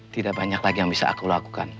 tidak banyak lagi yang bisa aku lakukan